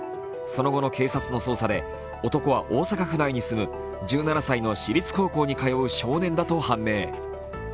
その後の警察の捜査で男は大阪府内に住む１７歳の私立高校に通う少年だと判明。